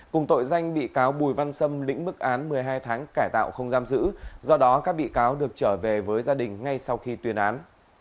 cùng tội danh bị cáo bùi văn sâm lĩnh mức án một mươi hai tháng cải tạo không giam giữ do đó các bị cáo được trở về với gia đình ngay sau khi tuyên án